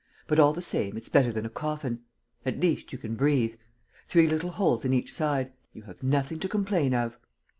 "But, all the same, it's better than a coffin. At least, you can breathe. Three little holes in each side. You have nothing to complain of!"